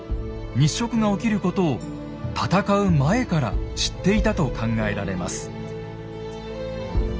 日食が起きることを戦う前から知っていたと考えられます。